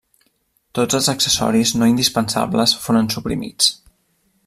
Tots els accessoris no indispensables foren suprimits.